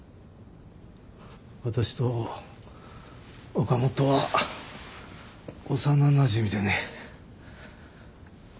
私と岡本は幼なじみでね。